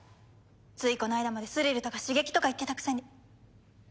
ついこの間までスリルとか刺激とか言ってたくせに。